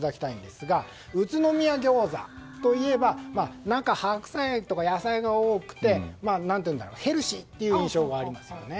宇都宮ギョーザといえば中はハクサイとか野菜が多くてヘルシーという印象がありますよね。